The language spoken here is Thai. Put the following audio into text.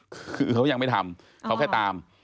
คือเขายังไม่ทำเขาแค่ตาม